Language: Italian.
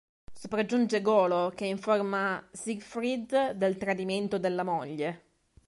Sopraggiunge Golo che informa Siegfried del tradimento della moglie.